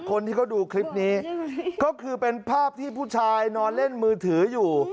คนที่เขาดูคลิปนี้ก็คือเป็นภาพที่ผู้ชายนอนเล่นมือถืออยู่